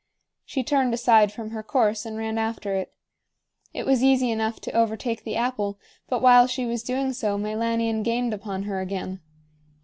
She turned aside from her course and ran after it. It was easy enough to overtake the apple, but while she was doing so Meilanion gained upon her again.